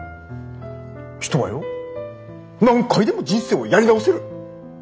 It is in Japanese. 人はよ何回でも人生をやり直せる。